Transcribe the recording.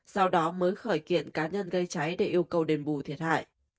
sau đó mới khởi kiện cá nhân gây cháy để yêu cầu đền bù thiệt hại